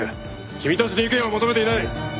君たちに意見は求めていない！